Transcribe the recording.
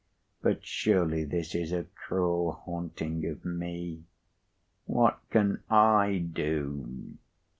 But surely this is a cruel haunting of me. What can I do!"